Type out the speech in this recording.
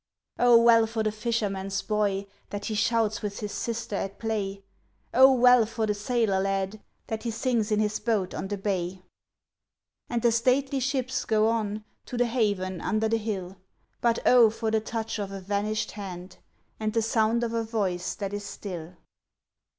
O well for the fisherman's boy That he shouts with his sister at play! O well for the sailor lad That he sings in his boat on the bay! And the stately ships go on, To the haven under the hill; But O for the touch of a vanished hand, And the sound of a voice that is still!